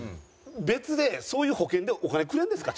別でそういう保険でお金くれんですか？